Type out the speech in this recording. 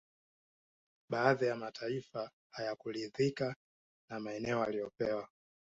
Baadhi ya mataifa hayakuridhika na maeneo waliyopewa